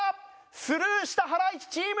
スルーしたハライチチーム。